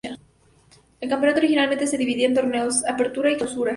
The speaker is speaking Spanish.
El campeonato originalmente se dividía en dos torneos: Apertura y Clausura.